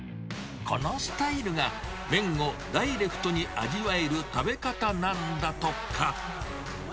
このスタイルが、麺をダイレクトに味わえる食べ方なんだとか。